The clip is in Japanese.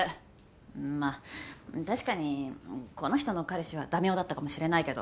まあたしかにこの人の彼氏はダメ男だったかもしれないけど。